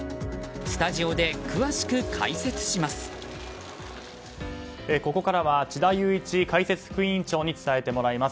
スタジオで詳しく解説します。